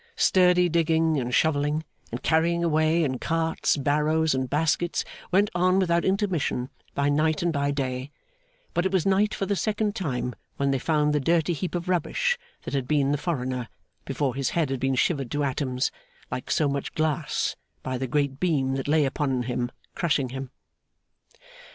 Sturdy digging, and shovelling, and carrying away, in carts, barrows, and baskets, went on without intermission, by night and by day; but it was night for the second time when they found the dirty heap of rubbish that had been the foreigner before his head had been shivered to atoms, like so much glass, by the great beam that lay upon him, crushing him.